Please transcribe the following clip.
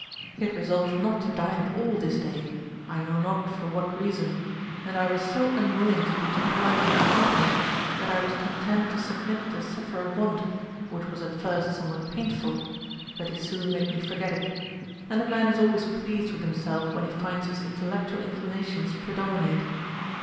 He had resolved not to dine at all this day, I know not for what reason; and I was so unwilling to be deprived of his company, that I was content to submit to suffer a want, which was at first somewhat painful, but he soon made me forget it; and a man is always pleased with himself when he finds his intellectual inclinations predominate.